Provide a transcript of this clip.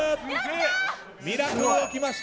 ミラクルが起きました。